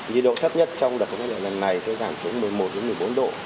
nhiệt độ thấp nhất trong đợt khí lạnh này sẽ giảm xuống một mươi một một mươi bốn độ